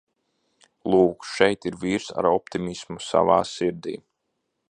Lūk šeit ir vīrs ar optimismu savā sirdī!